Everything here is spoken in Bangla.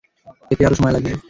এতে আরও সময় লাগবে।